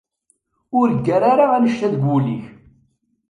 Ur ggar ara annect-a deg wul-ik.